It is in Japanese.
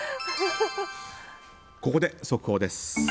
ここで速報です。